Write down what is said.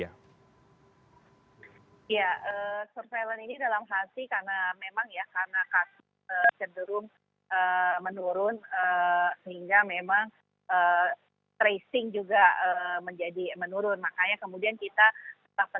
ya terima kasih pak miko